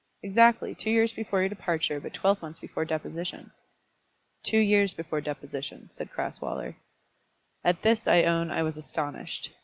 "Exactly; two years before your departure, but twelve months before deposition." "Two years before deposition," said Crasweller. At this I own I was astonished.